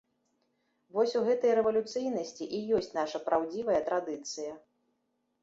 Вось у гэтай рэвалюцыйнасці і ёсць наша праўдзівая традыцыя.